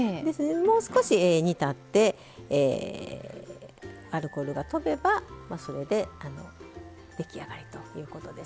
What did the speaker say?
もう少し煮立ってアルコールがとべばそれで出来上がりということですね。